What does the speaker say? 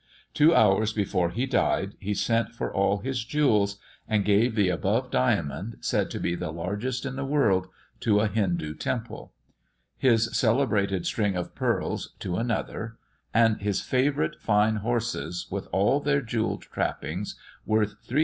Two hours before he died, he sent for all his jewels, and gave the above diamond, said to be the largest in the world, to a Hindoo temple; his celebrated string of pearls to another; and his favourite fine horses, with all their jewelled trappings, worth 300,000l.